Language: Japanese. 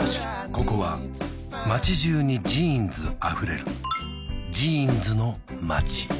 ここは街じゅうにジーンズあふれるジーンズの街